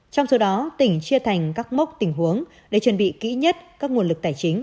trong số đó tỉnh chia thành các mốc tình huống để chuẩn bị kỹ nhất các nguồn lực tài chính